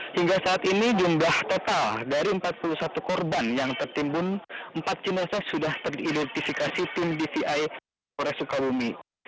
hingga saat ini jumlah total dari empat puluh satu korban yang tertimbun empat jenazah sudah teridentifikasi tim dvi kore sukabumi